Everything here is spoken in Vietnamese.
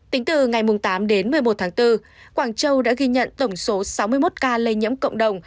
tính từ ngày tám đến một mươi một tháng bốn quảng châu đã ghi nhận tổng số sáu mươi một ca lây nhiễm cộng đồng